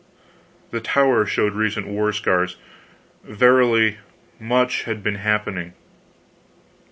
The Tower showed recent war scars. Verily, much had been happening.